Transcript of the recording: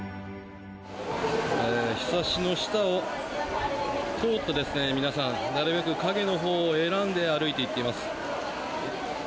ひさしの下を通って皆さんなるべく陰のほうを選んで歩いて行っています。